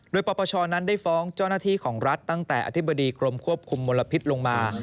โดยปปชนั้นได้ฟ้องเจ้าหน้าที่ของรัฐตั้งแต่อธิบดีกรมควบคุมมลพิษลงมา